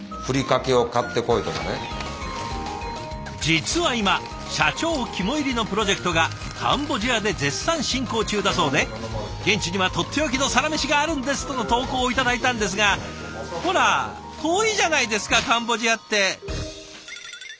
実は今社長肝煎りのプロジェクトがカンボジアで絶賛進行中だそうで「現地にはとっておきのサラメシがあるんです！」との投稿を頂いたんですがほら遠いじゃないですかカンボジアって。